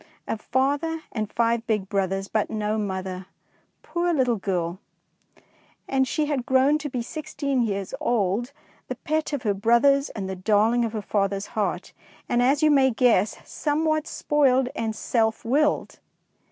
A father and five big brothers, but no mother, poor little girl ! and she had grown to be sixteen years old, the pet of her brothers and the darling of her father's heart, and, as you may guess, somewhat spoiled and self willed.